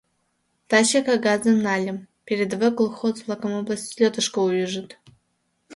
Тачат кагазым нальым: передовой колхоз-влакым область слётышко ӱжыт.